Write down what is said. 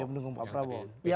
ya pendukung pak prabowo